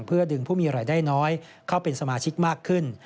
เพื่อดึงผู้มีรายได้น้อยเข้าเป็นสมาชิกมากขึ้น